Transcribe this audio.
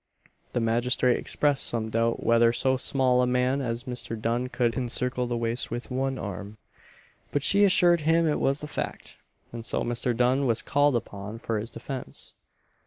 The magistrate expressed some doubt whether so small a man as Mr. Dunn could encircle her waist with one arm; but she assured him it was the fact; and so Mr. Dunn was called upon for his defence.